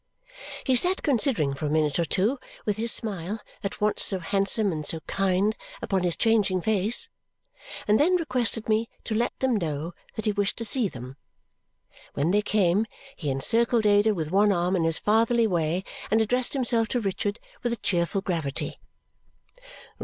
He sat considering for a minute or two, with his smile, at once so handsome and so kind, upon his changing face, and then requested me to let them know that he wished to see them. When they came, he encircled Ada with one arm in his fatherly way and addressed himself to Richard with a cheerful gravity.